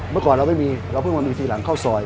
เมื่อก่อนเราไม่มีเราเพิ่งมามีทีหลังเข้าซอย